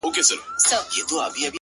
ستا د غزلونو و شرنګاه ته مخامخ يمه ـ